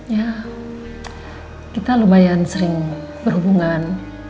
ya kita lumayan sering berhubungan